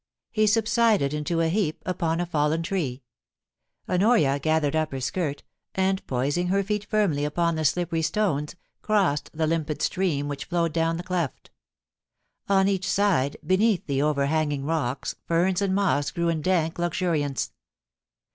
He subsided into a heap upon a fallen tree. Honoria gathered up her skirt, and poising her feet firmly upon the slippery stones, crossed the limpid stream which flowed down the cleft On each side, beneath the overhanging rocks, ferns and moss grew in dank luxuriance.